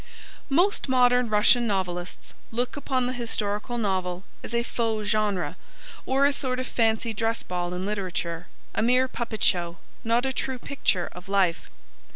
Most modern Russian novelists look upon the historical novel as a faux genre, or a sort of fancy dress ball in literature, a mere puppet show, not a true picture of life.